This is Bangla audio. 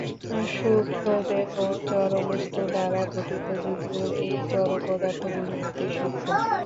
সূক্ষ্মদেহও জড়বস্তু দ্বারা গঠিত, যদিও এই জড়পদার্থগুলি অতি সূক্ষ্ম।